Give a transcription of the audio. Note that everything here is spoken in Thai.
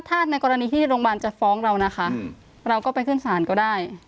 ถ้าในกรณีที่โรงพยาบาลจะฟ้องเรานะคะเราก็ไปขึ้นศาลก็ได้